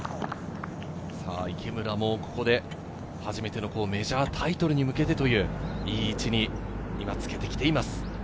池村もここで初めてのメジャータイトルに向けてといういい位置に今つけてきています。